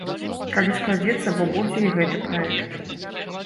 Калі складзецца, бо будзе і гэты праект.